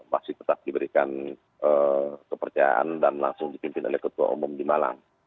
masih tetap diberikan kepercayaan dan langsung dipimpin oleh ketua umum di malang